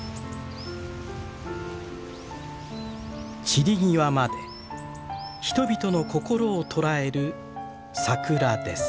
散り際まで人々の心を捉える桜です。